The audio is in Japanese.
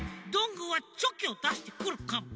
ぐーはチョキをだしてくるかも。